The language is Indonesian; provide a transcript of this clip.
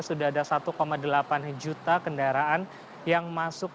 sudah ada satu delapan juta kendaraan yang masuk